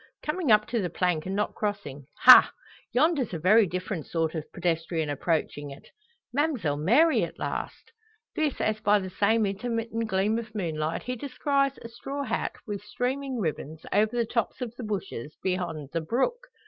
Coming up to the plank and not crossing Ha! yonder's a very different sort of pedestrian approaching it? Ma'mselle Mary at last!" This as by the same intermittent gleam of moonlight he descries a straw hat, with streaming ribbons, over the tops of the bushes beyond the brook.